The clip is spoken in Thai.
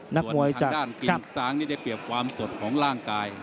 ส่วนทางด้านกิ่งสร้างนี่ได้เปรียบความสดของร่างกาย